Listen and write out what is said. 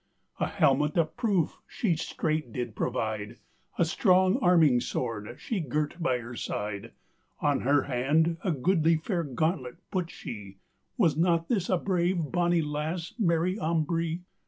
A helmett of proofe shee strait did provide, A stronge arminge sword shee girt by her side, On her hand a goodly faire gauntlett put shee: Was not this a brave bonny lasse, Mary Ambree?